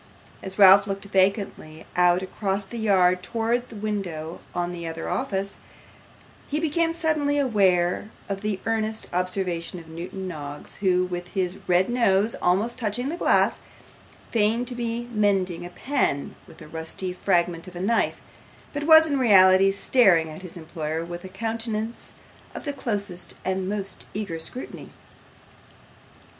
As Ralph looked vacantly out across the yard towards the window of the other office, he became suddenly aware of the earnest observation of Newman Noggs, who, with his red nose almost touching the glass, feigned to be mending a pen with a rusty fragment of a knife, but was in reality staring at his employer with a countenance of the closest and most eager scrutiny.